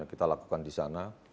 yang kita lakukan disana